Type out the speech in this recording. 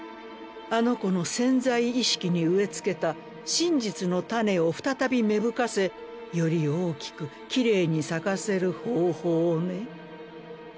あの子の潜在意識に植え付けた真実の種を再び芽吹かせより大きくキレイに咲かせる方法をね。